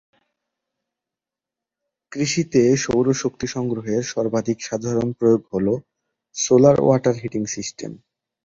কৃষিতে সৌর শক্তি সংগ্রহের সর্বাধিক সাধারণ প্রয়োগ হলো সোলার ওয়াটার হিটিং সিস্টেম।